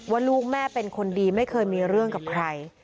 ว่าลูกแม่เป็นคนดีไม่เคยมีเรื่องกับใคร